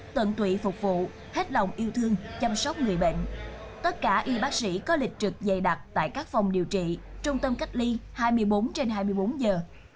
tất cả các y bác sĩ có lịch trực dày đặt tại các phòng điều trị trung tâm cách ly hai mươi bốn trên hai mươi bốn giờ